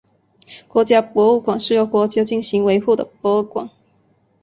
国家博物馆是由国家进行维护的博物馆。